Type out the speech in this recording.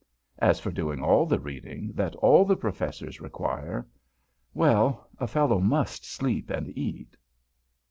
As for doing all the reading that all the Professors require well, a fellow must sleep and eat.